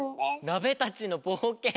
「なべたちのぼうけん」！